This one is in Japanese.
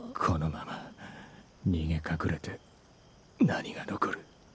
このまま逃げ隠れて何が残る。